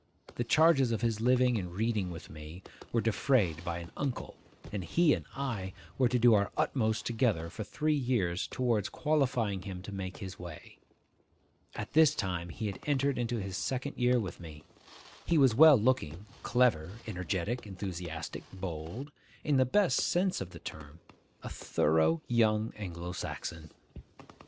The charges of his living and reading with me were defrayed by an uncle; and he and I were to do our utmost together for three years towards qualifying him to make his way. At this time he had entered into his second year with me. He was well looking, clever, energetic, enthusiastic; bold; in the best sense of the term, a thorough young Anglo Saxon.